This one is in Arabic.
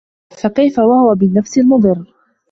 فَكَيْفَ وَهُوَ بِالنَّفْسِ مُضِرٌّ